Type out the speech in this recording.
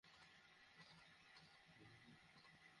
ওকে hey, তুমি ফোনে কার সাথে কথা বলছিলে?